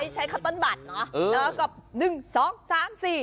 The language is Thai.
ใช้คัตเติ้ลบัตรเนอะ